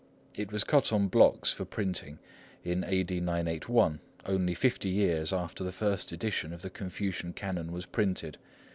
It was cut on blocks for printing in A.D. 981, only fifty years after the first edition of the Confucian Canon was printed.